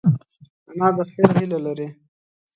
انا د خیر هیله لري